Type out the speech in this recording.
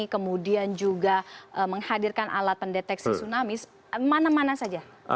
kemudian juga menghadirkan alat pendeteksi tsunami mana mana saja